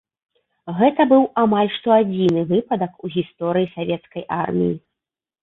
Гэта быў амаль што адзіны выпадак у гісторыі савецкай арміі.